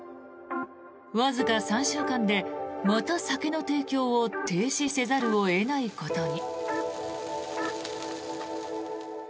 わずか３週間でまた酒の提供を停止せざるを得ないことに。